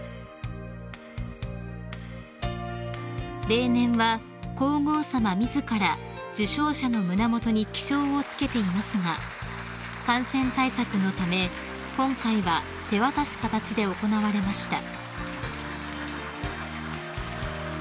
［例年は皇后さま自ら受章者の胸元に記章を着けていますが感染対策のため今回は手渡す形で行われました］